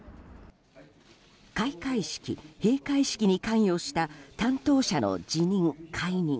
開会式・閉会式に関与した担当者の辞任・解任。